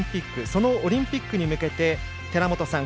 そのオリンピックに向けて寺本さん